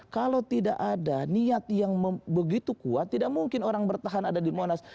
kalau tidak ada niat yang begitu kuat tidak mungkin orang bertahan ada di monas